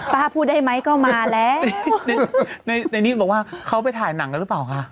พูดได้ไหมก็มาแล้วในในนี้บอกว่าเขาไปถ่ายหนังกันหรือเปล่าคะ